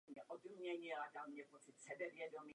O tom víme velmi dobře.